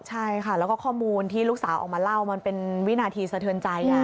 ใช่ค่ะแล้วก็ข้อมูลที่ลูกสาวออกมาเล่ามันเป็นวินาทีสะเทือนใจ